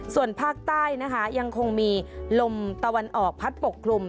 ส่วนภาคใต้นะคะยังคงมีลมตะวันออกพัดปกคลุม